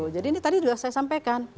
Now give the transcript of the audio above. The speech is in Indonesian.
jadi ini tadi sudah saya sampaikan